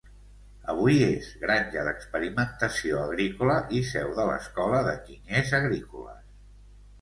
Avui és granja d'experimentació agrícola i seu de l'Escola d'Enginyers Agrícoles.